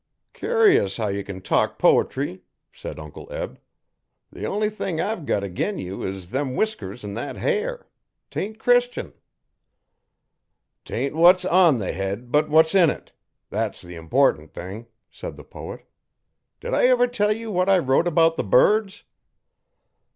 'Cur'us how you can talk po'try,' said Uncle Eb. 'The only thing I've got agin you is them whiskers an' thet hair. 'Tain't Christian.' ''Tain't what's on the head, but what's in it thet's the important thing,' said the poet. 'Did I ever tell ye what I wrote about the birds?'